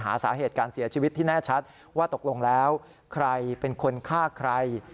หาสาเหตุการเสียชีวิตที่แน่ชัดว่าตกลงแล้วใครเป็นคนฆ่าใคร